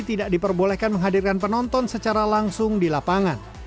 tidak diperbolehkan menghadirkan penonton secara langsung di lapangan